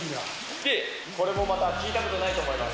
これもまた聞いたことないと思います。